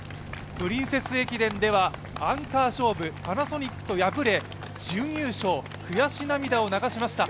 プリンセス駅伝ではアンカー勝負パナソニックに敗れ準優勝、悔し涙を流しました。